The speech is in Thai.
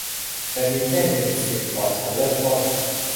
แต่มีแค่หนึ่งสิ่งก่อนฉันเริ่มต้น